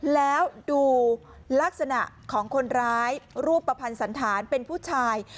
แล้วดูลักษณะของคนร้ายรูปประพันธ์สันธารเป็นผู้ชาย